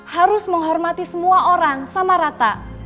harus menghormati semua orang sama rata